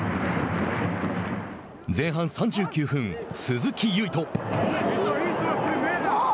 前半３９分、鈴木唯人。